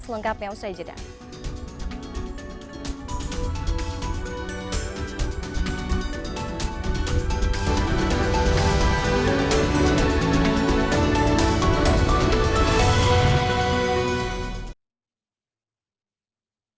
selengkapnya usai jadinya